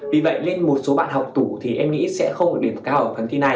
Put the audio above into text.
vì vậy lên một số bạn học tủ thì em nghĩ sẽ không có điểm cao ở bài thi này